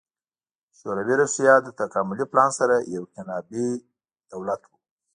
شوروي روسیه له تکاملي پلان سره یو انقلابي دولت و